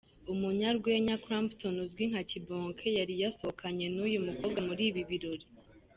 Umunyarwenya Clapton uzwi nka Kibonke yari yasohokanye n'uyu mukobwa muri ibi birori.